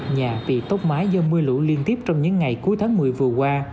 nhà bị tốc mái do mưa lũ liên tiếp trong những ngày cuối tháng một mươi vừa qua